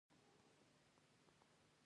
پاچا تل له خپله واک څخه ناوړه ګټه اخلي .